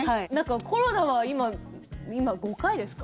コロナは今、５回ですか？